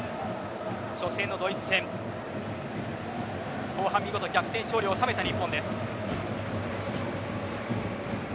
初戦のドイツ戦は後半、見事逆転勝利を収めた日本。